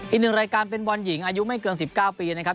อีกหนึ่งรายการเป็นบอลหญิงอายุไม่เกิน๑๙ปีนะครับ